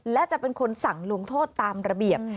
และจะเป็นคนสั่งลงโทษตามระเบียบ